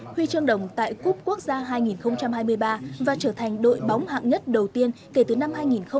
huy chương đồng tại cúp quốc gia hai nghìn hai mươi ba và trở thành đội bóng hạng nhất đầu tiên kể từ năm hai nghìn năm